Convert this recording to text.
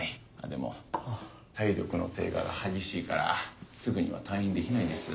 でも体力の低下が激しいからすぐには退院できないです。